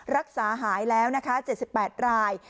รักษาหายแล้วนะคะ๗๘ราย